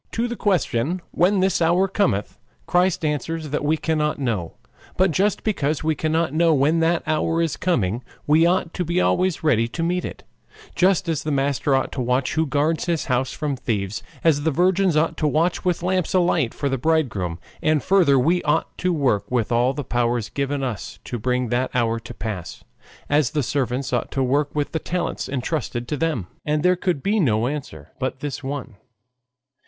To the question when this hour cometh Christ answers that we cannot know, but just because we cannot know when that hour is coming we ought to be always ready to meet it, just as the master ought to watch who guards his house from thieves, as the virgins ought to watch with lamps alight for the bridegroom; and further, we ought to work with all the powers given us to bring that hour to pass, as the servants ought to work with the talents intrusted to them. (Matt. xxiv. 43, and xxvi. 13, 14 30.) And there could be no answer but this one.